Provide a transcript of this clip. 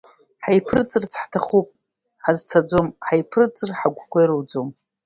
Ҳаиԥырҵырц ҳҭахуп, ҳазцаӡом, ҳаиԥырҵыр ҳагәқәа ируӡом!